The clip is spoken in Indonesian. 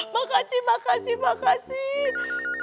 makasih makasih makasih